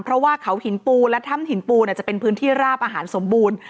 เพราะว่าเขาหินปูและถ้ำหินปูจะเป็นพื้นที่ราบอาหารสมบูรณ์